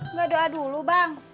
nggak doa dulu bang